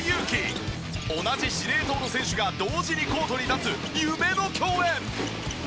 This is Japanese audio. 同じ司令塔の選手が同時にコートに立つ夢の共演！